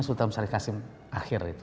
sultan syarif hasim akhir itu